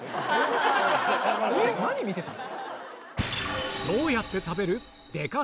何見てた？